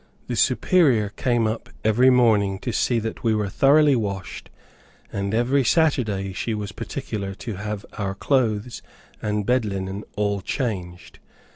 The Superior came up every morning to see that we were thoroughly washed, and every Saturday she was very particular to have our clothes and bed linen all changed.